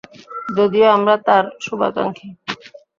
যদিও আমরা তার শুভাকাঙ্ক্ষী?